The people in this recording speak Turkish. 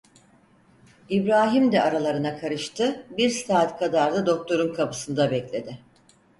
İbrahim de aralarına karıştı, bir saat kadar da doktorun kapısında bekledi.